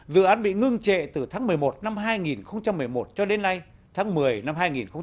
dự án bị ngưng trệ từ tháng một mươi một năm hai nghìn một mươi một cho đến nay tháng một mươi năm hai nghìn một mươi bảy